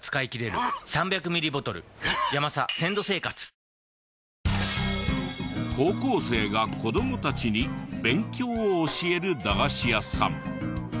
三菱電機高校生が子供たちに勉強を教える駄菓子屋さん。